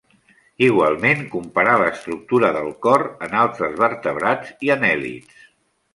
Igualment comparà l'estructura del cor en altres vertebrats i anèl·lids.